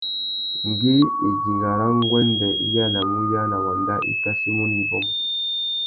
Ngüi idinga râ nguêndê i yānamú uyāna wanda, i kachimú nà ibômô.